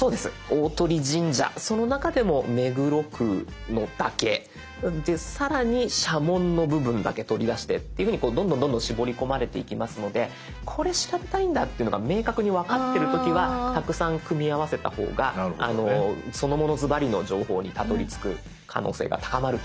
大鳥神社その中でも目黒区のだけ更に社紋の部分だけ取り出してっていうふうにどんどんどんどん絞り込まれていきますのでこれ調べたいんだっていうのが明確に分かってる時はたくさん組み合わせた方がそのものずばりの情報にたどりつく可能性が高まると思います。